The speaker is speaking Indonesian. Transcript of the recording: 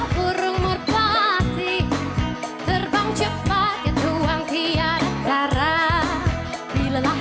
burung darah turun intro tak